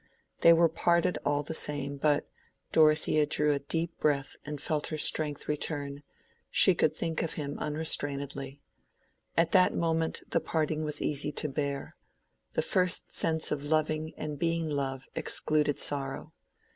They were parted all the same, but—Dorothea drew a deep breath and felt her strength return—she could think of him unrestrainedly. At that moment the parting was easy to bear: the first sense of loving and being loved excluded sorrow.